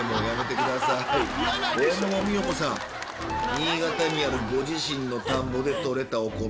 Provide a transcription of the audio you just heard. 新潟にあるご自身の田んぼで取れたお米。